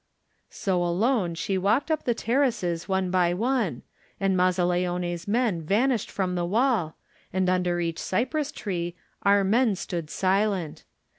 So alone she walked up the terraces one by one, and Mazzaleone's men vanished from the wall, and under each cypress tree 78 Digitized by > THE NINTH MAN our men stood silent.